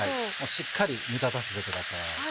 しっかり煮立たせてください。